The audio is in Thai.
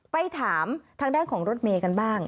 ไปถามทางด้านของรถเมย์กันบ้าง